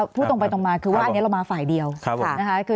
พูดตรงมาคือว่าอันนี้เรามาฝ่ายเดียวครับผมค่ะคือ